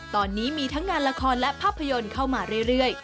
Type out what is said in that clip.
ตอนนี้มีทั้งงานละครและภาพยนตร์เข้ามาเรื่อย